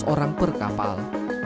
lima ratus orang per kapal